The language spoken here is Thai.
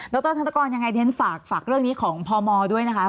ดรธกรยังไงเด้นฝากเรื่องนี้ของพมด้วยนะคะ